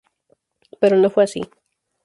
Pero no fue así.